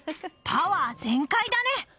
パワー全開だね！